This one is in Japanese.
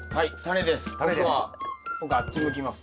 僕は僕あっち向きます。